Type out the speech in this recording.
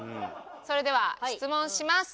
それでは質問します。